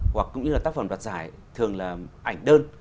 hoặc cũng như là tác phẩm đoạt giải thường là ảnh đơn